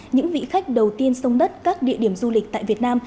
những vị khách đầu tiên sông đất các địa điểm du lịch tại việt nam